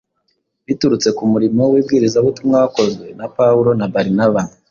biturutse ku murimo w’ibwirizabutumwa wakozwe na Pawulo na Barinaba,